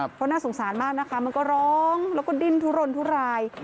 เพราะน่าสงสารมากนะคะมันก็ร้องแล้วก็ดิ้นทุรนทุราย